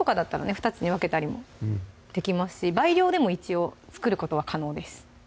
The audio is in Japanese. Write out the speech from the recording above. ２つに分けたりもできますし倍量でも一応作ることは可能です